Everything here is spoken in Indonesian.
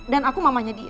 dan aku mamanya dia